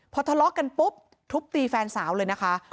พอทะเลาะกันปุ๊บทุบตีแฟนสาวเลยนะคะ